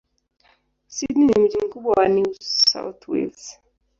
Sydney ni mji mkubwa wa New South Wales.